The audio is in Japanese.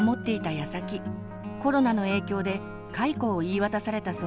やさきコロナの影響で解雇を言い渡されたそうです。